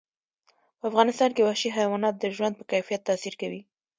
په افغانستان کې وحشي حیوانات د ژوند په کیفیت تاثیر کوي.